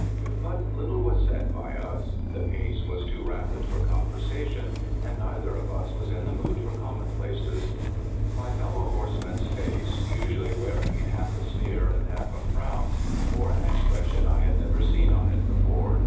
But little was said by us. The pace was too rapid for conversation, and neither of us was in the mood for commonplaces. My fellow horse man's face, usually wearing half a sneer and half a frown, bore an expression I had never seen on it before.